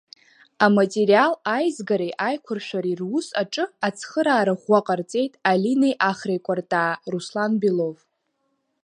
Аматериал аизгареи аиқәыршәареи рус аҿы ацхыраара ӷәӷәа ҟарҵеит Алинеи Ахреи Кәартаа, Руслан Белов.